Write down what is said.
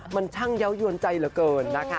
มันช่างเยาวยวนใจเหลือเกินนะคะ